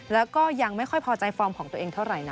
แล้วก็ยังไม่ค่อยพอใจฟอร์มของตัวเองเท่าไหร่นะ